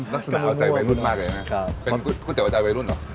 อ๋อเป็นกุ้ดเตี๋ยวใจวัยรุ่นเหรอ